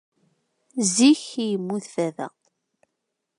Zik i yemmut baba.